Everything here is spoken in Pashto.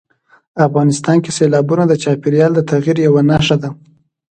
افغانستان کې سیلابونه د چاپېریال د تغیر یوه نښه ده.